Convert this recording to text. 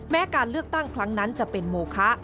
แม้การเลือกตั้งครั้งนั้นจะเป็นโมคะ